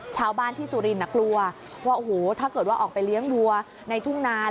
ชาวบ้านที่สุรินทร์กลัวว่าโอ้โหถ้าเกิดว่าออกไปเลี้ยงวัวในทุ่งนา